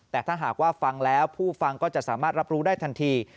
แต่ถ้าหากว่าฟังแล้วผู้ฟังก็จะสามารถรับรู้ได้ทันที